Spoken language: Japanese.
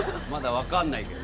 まだ分かんない。